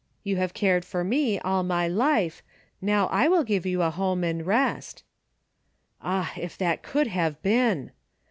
You have cared for me all my life, now I will give you a home and rest." Ah ! if that could have been!